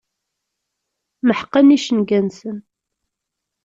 Meḥqen icenga-nsen.